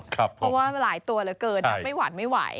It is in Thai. เพราะว่าหลายตัวเหลือเกิน